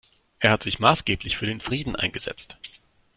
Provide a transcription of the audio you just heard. Er hat sich maßgeblich für den Frieden eingesetzt.